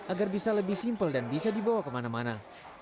agar bisa lebih simpel dan bisa dibawa kemana mana